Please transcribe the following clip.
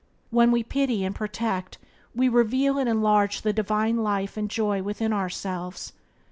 When we pity and protect we reveal and enlarge the divine life and joy within ourselves.